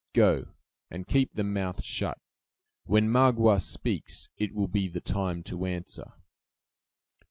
Go, and keep the mouth shut. When Magua speaks, it will be the time to answer."